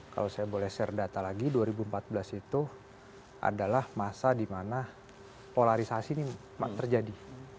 kalau saya boleh share data lagi dua ribu empat belas itu adalah masa di mana polarisasi ini terjadi